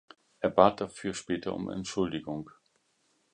Er bat dafür später um Entschuldigung.